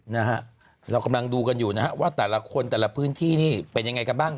นะฮะเรากำลังดูกันอยู่นะฮะว่าแต่ละคนแต่ละพื้นที่นี่เป็นยังไงกันบ้าง